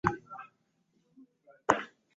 Eno kkwaaya bambi eyimba okuzaama.